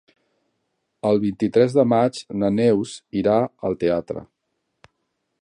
El vint-i-tres de maig na Neus irà al teatre.